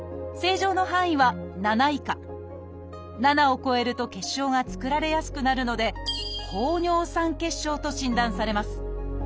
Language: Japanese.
７を超えると結晶が作られやすくなるので「高尿酸血症」と診断されます。